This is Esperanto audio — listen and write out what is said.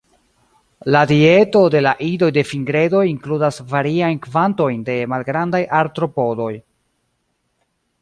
La dieto de la idoj de Fringedoj inkludas variajn kvantojn de malgrandaj artropodoj.